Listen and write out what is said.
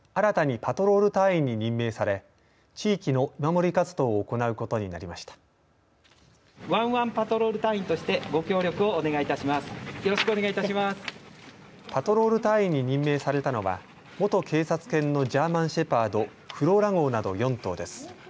パトロール隊員に任命されたのは元警察犬のジャーマンシェパードフローラ号など４頭です。